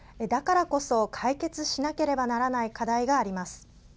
だからこそ解決しなければならない課題があります。